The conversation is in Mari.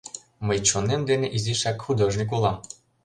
Мый чонем дене изишак художник улам.